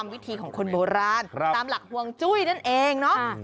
วิธีของคนโบราณตามหลักห่วงจุ้ยนั่นเองเนาะ